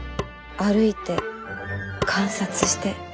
歩いて観察して。